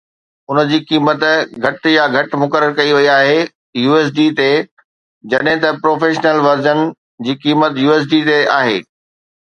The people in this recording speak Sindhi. ان جي قيمت گهٽ يا گهٽ مقرر ڪئي وئي آهي USD تي جڏهن ته پروفيشنل ورزن جي قيمت USD تي آهي